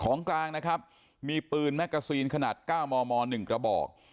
ของกลางนะครับมีปืนแมกกาซีนขนาด๙มม๑กระบอก